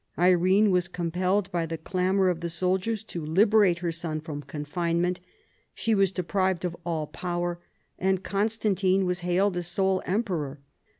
Irene was compelled by the clamor of the soldiers to liberate her son from confinement ; she was deprived of all power, and Constantine was hailed as sole emperor.